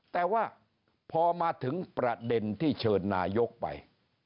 แต่ว่าพอมาถึงประเด็นที่เชิญนายกไป